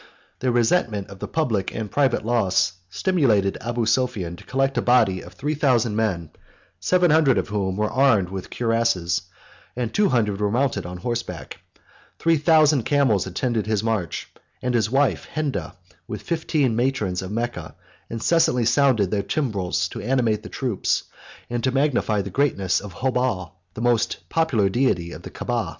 The resentment of the public and private loss stimulated Abu Sophian to collect a body of three thousand men, seven hundred of whom were armed with cuirasses, and two hundred were mounted on horseback; three thousand camels attended his march; and his wife Henda, with fifteen matrons of Mecca, incessantly sounded their timbrels to animate the troops, and to magnify the greatness of Hobal, the most popular deity of the Caaba.